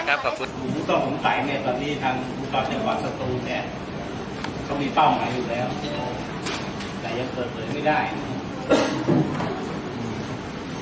หุ้มพุทธผมไปเนี่ยตอนนี้ทางหุ้มพุทธแห่งวัสดุเนี่ยเขามีเป้าหมายอยู่แล้ว